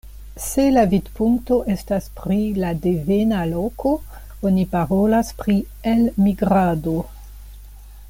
Se la vidpunkto estas pri la devena loko, oni parolas pri elmigrado.